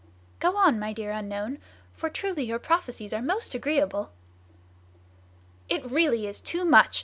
"Go on, my dear unknown, for truly your prophecies are most agreeable!" "It really is too much!"